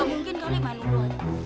tidak mungkin kali emang nudul